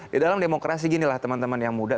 di dalam demokrasi ginilah teman teman yang muda